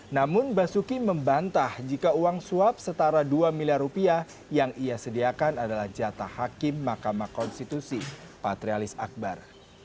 namun basuki membantah jika uang suap setara dua miliar rupiah yang ia sediakan adalah jatah hakim makamah konstitusi patrialis akbar